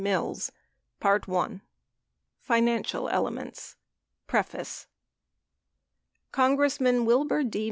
Mills — Financial Elements PREFACE Congressman Wilbur D.